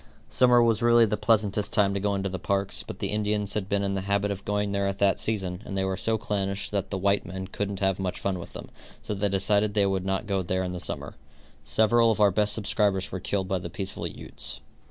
Summer was really the pleasantest time to go into the parks, but the Indians had been in the habit of going there at that season, and they were so clannish that the white men couldn't have much fun with them, so they decided they would not go there in the summer. Several of our best subscribers were killed by the peaceful Utes.